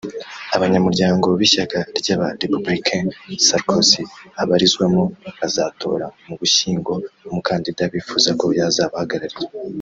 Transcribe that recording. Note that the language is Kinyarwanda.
Abanyamuryango b’ishyaka ry’aba-Républicains Sarkozy abarizwamo bazatora mu Ugushyingo umukandida bifuza ko yazabahagararira